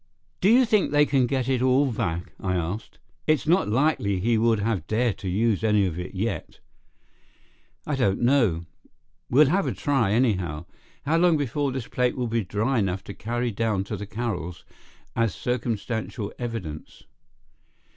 "Do you think they can get it all back?" I asked. "It's not likely he would have dared to use any of it yet." "I don't know. We'll have a try, anyhow. How long before this plate will be dry enough to carry down to the Carrolls as circumstantial evidence?"